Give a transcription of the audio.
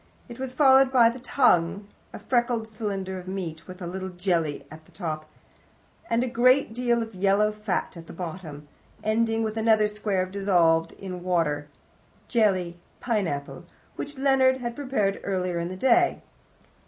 It was followed by the tongue a freckled cylinder of meat, with a little jelly at the top, and a great deal of yellow fat at the bottom ending with another square dissolved in water (jelly: pineapple), which Leonard had prepared earlier in the day.